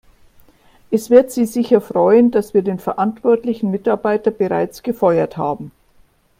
Es wird Sie sicher freuen, dass wir den verantwortlichen Mitarbeiter bereits gefeuert haben.